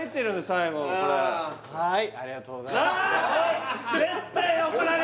最後はいありがとうございますなっ！